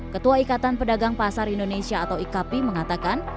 ketua ikatan pedagang pasar indonesia atau ikp mengatakan